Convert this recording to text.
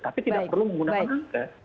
tapi tidak perlu menggunakan angkes